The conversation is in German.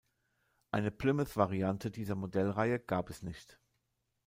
Eine Plymouth-Variante dieser Modellreihe gab es nicht.